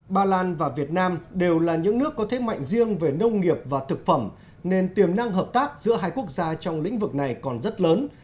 ba lan và việt nam đều là những nước có thế mạnh riêng về nông nghiệp và thực phẩm nên tiềm năng hợp tác giữa hai quốc gia trong lĩnh vực này còn rất lớn